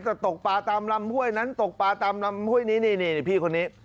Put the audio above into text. ตกปลาตามลำห้วยนั้นตกปลาตามลำห้วยนี้นี่พี่คนนี้